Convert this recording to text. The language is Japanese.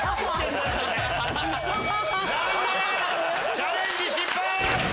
チャレンジ失敗。